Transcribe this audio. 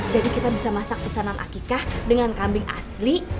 jadi kita bisa masak pesanan akikah dengan kambing asli